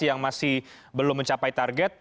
yang masih belum mencapai target